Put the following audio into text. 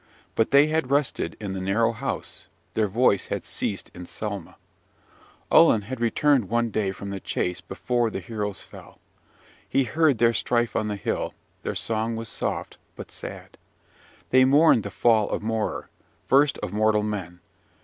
But they had rested in the narrow house: their voice had ceased in Selma! Ullin had returned one day from the chase before the heroes fell. He heard their strife on the hill: their song was soft, but sad! They mourned the fall of Morar, first of mortal men!